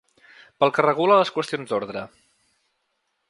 Pel que regula les qüestions d’ordre.